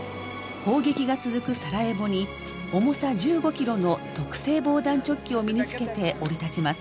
砲撃が続くサラエボに重さ１５キロの特製防弾チョッキを身に着けて降り立ちます。